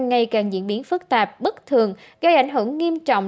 ngày càng diễn biến phức tạp bất thường gây ảnh hưởng nghiêm trọng